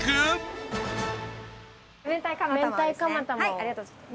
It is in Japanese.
ありがとうございます。